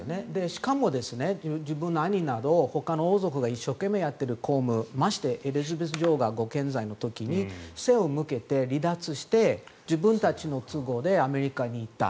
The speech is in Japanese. しかも自分の兄などほかの王族が一生懸命やっている公務ましてエリザベス女王がご健在の時に背を向けて離脱して自分たちの都合でアメリカに行った。